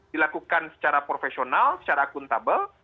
dilakukan secara profesional secara akuntabel